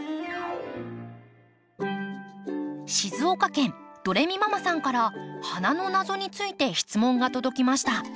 静岡県ドレミママさんから花の謎について質問が届きました。